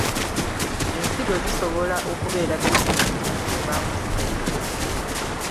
Ensigo zisobola okubeera bizinensi evaamu ssente.